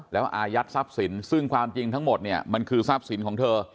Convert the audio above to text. แล้วอายัดทรัพย์สินซึ่งความจริงทั้งหมดเนี่ยมันคือทรัพย์สินของเธอ